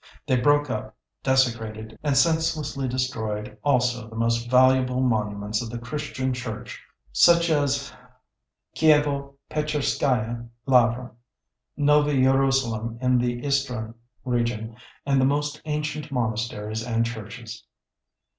They broke up, desecrated, and senselessly destroyed also the most valuable monuments of the Christian Church, such as Kievo Pecherskaya Lavra, Novy Jerusalem in the Istrin region, and the most ancient monasteries and churches.